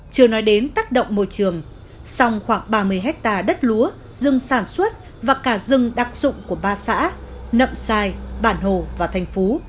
chưa nói đến tác động môi trường song khoảng ba mươi hectare đất lúa rừng sản xuất và cả rừng đặc dụng của ba xã nậm xài bản hồ và thành phố